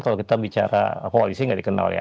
kalau kita bicara koalisi nggak dikenal ya